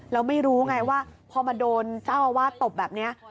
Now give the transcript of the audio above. แล้วไม่รู้ไงว่าพอมาโดนเจ้าอาวาสตบแบบนี้